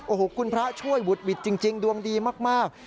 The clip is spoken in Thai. โอ้โหคุณพระช่วยหุดหวิดจริงดวงดีมาก